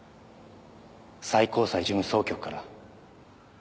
最高裁事務総局から